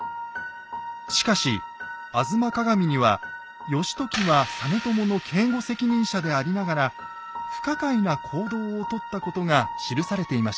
しかし「吾妻鏡」には義時は実朝の警護責任者でありながら不可解な行動をとったことが記されていました。